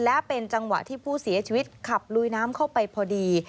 และเป็นจังหวะที่ผู้เสียชีวิตขับลุยน้ำเข้าไปพอดี